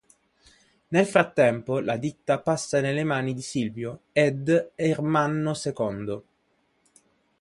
Nel frattempo la ditta passa nelle mani di Silvio ed Ermanno Secondo.